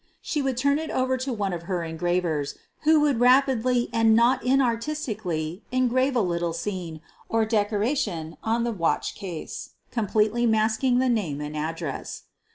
She would turn it over to one of her engravers who would rapidly and not inartistically engrave a little scene or decoration on the watch case, completely mask ing the name and address.